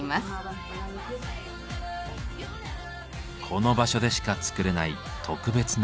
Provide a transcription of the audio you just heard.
この場所でしか作れない特別なラグ。